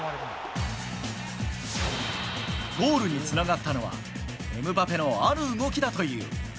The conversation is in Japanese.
ゴールにつながったのは、エムバペのある動きだという。